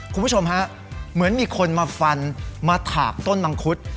คุณผู้ชมฮะเหมือนมีคนมาฟันมาถากต้นมังคุด